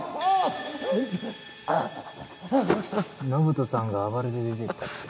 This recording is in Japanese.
延人さんが暴れて出ていったって